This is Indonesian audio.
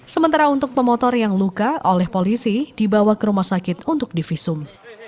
sementara untuk pemotor yang luka oleh polisi dibawa ke rumah sakit untuk divisum